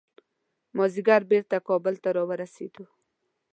مازدیګر بیرته کابل ته راورسېدو.